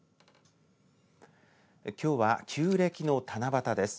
きょうは旧暦の七夕です。